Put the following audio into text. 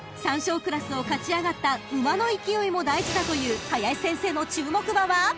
［３勝クラスを勝ち上がった馬の勢いも大事だという林先生の注目馬は？］